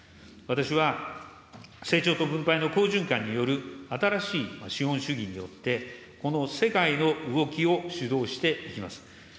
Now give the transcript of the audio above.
私は成長と分配の好循環による新しい資本主義によって、この世界の動きを主導していきます。